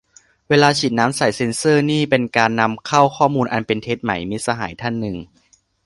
เวลาฉีดน้ำใส่เซนเซอร์นี่เป็นการนำเข้าข้อมูลอันเป็นเท็จไหม มิตรสหายท่านหนึ่ง